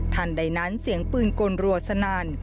ใดนั้นเสียงปืนกลรัวสนั่น